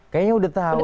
kayaknya udah tahu